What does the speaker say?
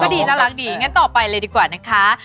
ดีน่ารักดีงั้นต่อไปเลยดีกว่านะคะ